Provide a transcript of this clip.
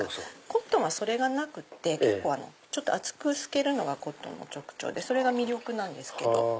コットンはそれがなくて厚くすけるのがコットンの特徴でそれが魅力なんです。